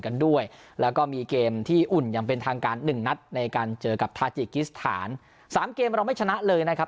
๑นัทในการเจอกับทาจิกฤษฐาน๓เกมเราไม่ชนะเลยนะครับ